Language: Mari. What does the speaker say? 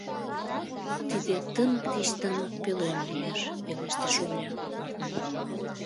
— Тиде тымык деч тымык пӧлем лиеш, — пелештыш Оля.